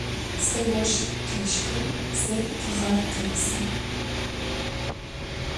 Зэ ощх къещхы, зэ тыгъэр къепсы.